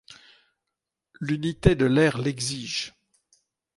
L’unité de l’air l’exige.